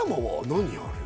何ある？